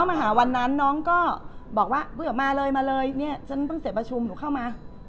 ก็มาหาวันนั้นน้องก็บอกว่ามาเลยมาเลยเราพึ่งที่เสียประชุมหนูเข้ามา